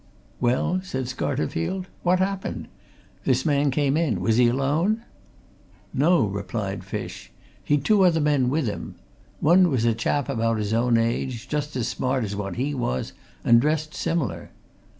"Well?" said Scarterfield, "What happened? This man came in. Was he alone?" "No," replied Fish. "He'd two other men with him. One was a chap about his own age, just as smart as what he was, and dressed similar.